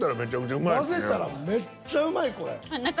混ぜたらめっちゃうまいこれ。